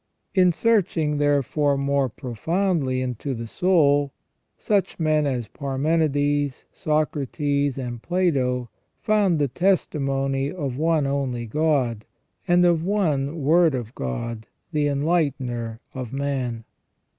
In searching, therefore, more profoundly into the soul, such men as Parmenides, Socrates, and Plato found the testimony of one only God, and of one Word of God, the enlightener of man.